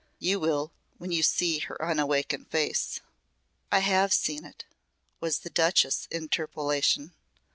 You will when you see her unawakened face." "I have seen it," was the Duchess' interpolation.